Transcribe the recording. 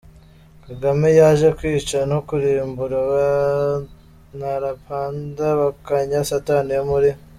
Kagame yaje kwica no kurimbura abantarqanda nonkaya satan yo muri